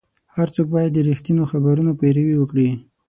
هر څوک باید د رښتینو خبرونو پیروي وکړي.